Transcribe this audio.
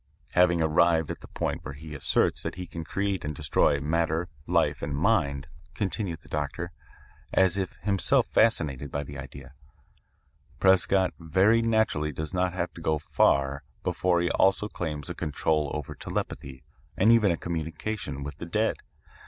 "Having arrived at the point where he asserts that he can create and destroy matter, life, and mind," continued the doctor, as if himself fascinated by the idea," Prescott very naturally does not have to go far before he also claims a control over telepathy and even a communication with the dead.